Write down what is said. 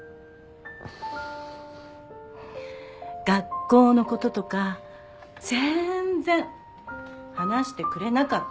学校のこととかぜーんぜん話してくれなかった。